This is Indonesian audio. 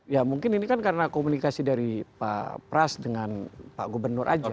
ya mungkin ini kan karena komunikasi dari pak pras dengan pak gubernur aja